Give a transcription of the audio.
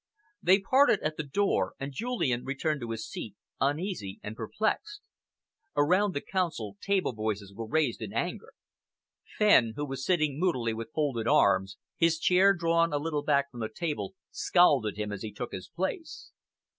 They parted at the door, and Julian returned to his seat, uneasy and perplexed. Around the Council table voices were raised in anger. Fenn, who was sitting moodily with folded arms, his chair drawn a little back from the table, scowled at him as he took his place.